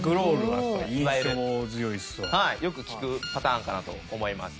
はいよく聞くパターンかなと思います。